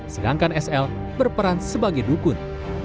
sedangkan sl berperan sebagai dukun